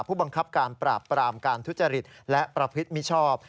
ผู้บังคับการปราบปรามการทุจริตและประพฤติมิชชอบ